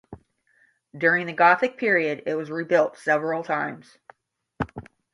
During the Gothic period it was rebuilt several times.